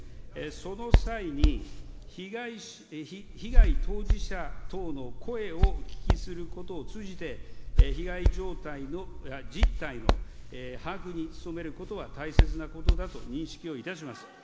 その際に、被害当事者等の声をお聞きすることを通じて、被害じょうたいの、実態の把握に努めることは大切なことだと認識をいたします。